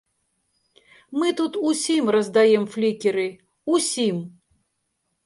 Мы тут усім раздаем флікеры, усім!